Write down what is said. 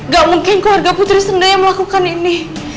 gak mungkin keluarga putri sendirian melakukan hal ini